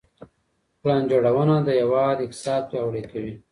پلان جوړونه د هیواد اقتصاد پیاوړی کوي.